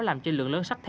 làm cho lượng lớn sắt thép